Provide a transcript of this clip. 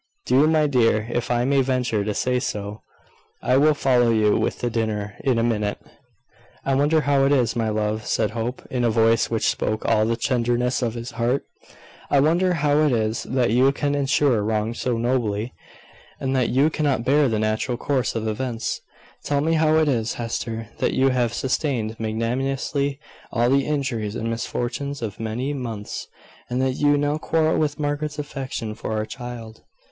Do, my dear, if I may venture to say so. I will follow you with the dinner in a minute." "I wonder how it is, my love," said Hope, in a voice which spoke all the tenderness of his heart; "I wonder how it is that you can endure wrong so nobly, and that you cannot bear the natural course of events. Tell me how it is, Hester, that you have sustained magnanimously all the injuries and misfortunes of many months, and that you now quarrel with Margaret's affection for our child."